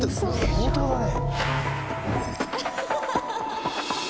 相当だね。